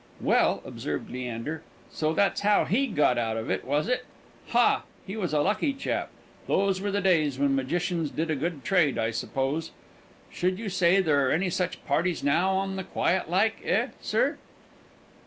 "Well," observed Leander, "so that's how he got out of it, was it? Hah! he was a lucky chap. Those were the days when magicians did a good trade, I suppose? Should you say there were any such parties now, on the quiet like, eh, sir?"